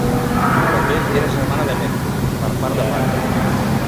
També era germana de Medb per part de pare.